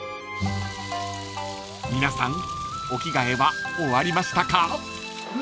［皆さんお着替えは終わりましたか？］